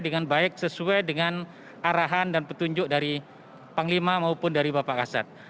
dengan baik sesuai dengan arahan dan petunjuk dari panglima maupun dari bapak kasat